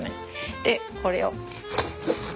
でこれを。